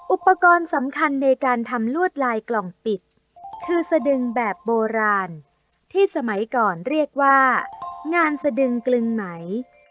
อุปกรณ์สำคัญในการทำลวดลายกล่องปิดคือสดึงแบบโบราณที่สมัยก่อนเรียกว่างานสะดึงกลึงไหม